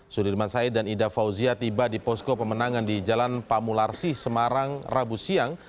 sudirman said dan ida fauzia tiba di posko pemenangan di jalan pamularsi semarang rabu siang